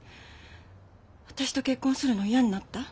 私と結婚するの嫌になった？